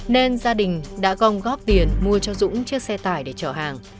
nên gia đình đã gom góp tiền mua cho dũng chiếc xe tải để chở hàng